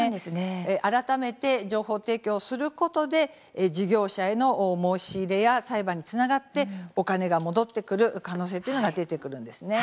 改めて情報提供することで事業者への申し入れや裁判につながってお金が戻ってくる可能性というのが出てくるんです。